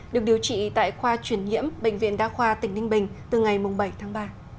được điều trị tại khoa chuyển nhiễm bệnh viện đa khoa tỉnh ninh bình từ ngày bảy tháng ba